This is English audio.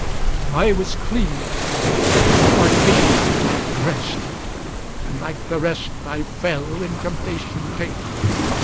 I was clean artificially like the rest; and like the rest I fell when temptation came.